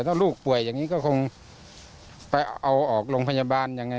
ถ้าลูกป่วยอย่างนี้ก็คงไปเอาออกโรงพยาบาลยังไง